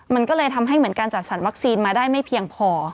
มันก็เลยทำให้เหมือนการจัดสรรวัคซีนมาได้ไม่เพียงพอ